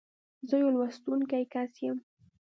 زه يو لوستونکی کس یم.